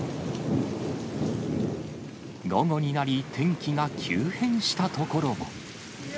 午後になり、天気が急変した所も。